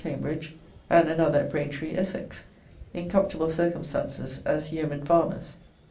Cambridge, and another at Braintree, co. Essex, in comfortable circumstances as yeomen farmers.